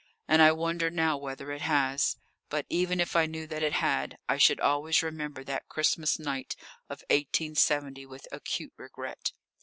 And I wonder now whether it has. But even if I knew that it had, I should always remember that Christmas night of 1870 with acute regret.